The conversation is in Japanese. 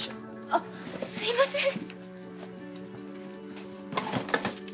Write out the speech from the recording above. あっすいません。